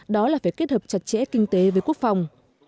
đó là phải kết hợp chặt chẽ kinh tế với quốc phòng